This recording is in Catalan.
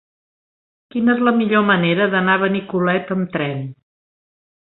Quina és la millor manera d'anar a Benicolet amb tren?